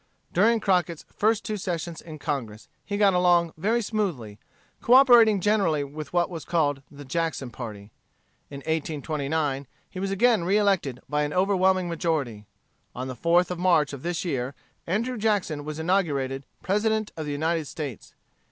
During Crockett's first two sessions in Congress he got along very smoothly, cooperating generally with what was called the Jackson party. In 1829 he was again reelected by an overwhelming majority. On the 4th of March of this year, Andrew Jackson was inaugurated President of the United States.